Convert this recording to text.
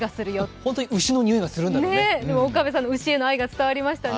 本当に牛のにおいがするんだろうね。